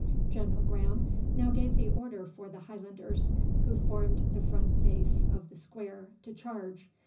General Graham now gave the order for the Highlanders, who formed the front face of the square, to charge.